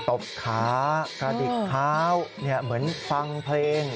ตบขากระดิกเท้าเหมือนฟังเพลง